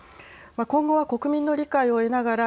今後は国民の理解を得ながら